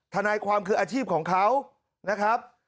ทนายความคืออาชีพของเขานะครับ